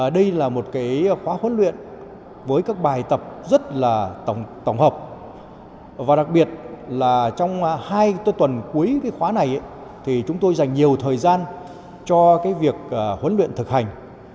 đây là một khóa huấn luyện với các bài tập rất là tổng hợp và đặc biệt là trong hai tuần cuối khóa này thì chúng tôi dành nhiều thời gian cho việc huấn luyện thực hành